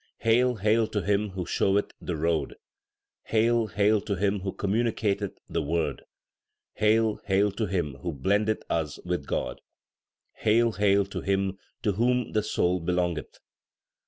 Hail, hail to him who showeth the road ! Hail, hail to him who communicateth the Word ! Hail, hail to him who blendeth us with God ! Hail, hail to Him to whom the soul belongeth